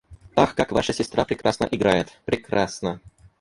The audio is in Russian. «Ах, как ваша сестра прекрасно играет!» Прекрасно!